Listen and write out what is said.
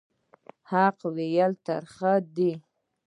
حق ویل ترخه دي